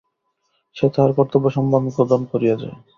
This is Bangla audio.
সে তাহার কর্তব্য সম্পাদন করিয়া যায়।